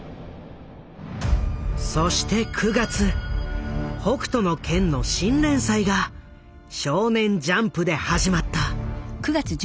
そして９月「北斗の拳」の新連載が少年ジャンプで始まった。